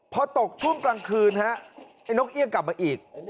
พอตกช่วงกลางคืนฮะไอ้นกเอี่ยงกลับมาอีก